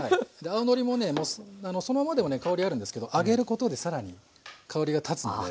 青のりもねそのままでも香りあるんですけど揚げることで更に香りがたつので。